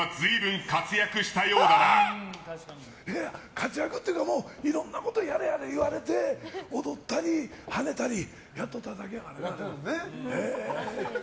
活躍っていうか、いろんなことやれやれ言われて踊ったり跳ねたりやっとっただけやからな。